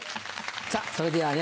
さぁそれではね